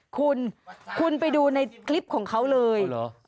คุณคุณไปดูในคลิปของเขาเลย